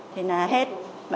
thế là hết